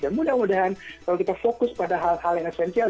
dan mudah mudahan kalau kita fokus pada hal hal yang esensial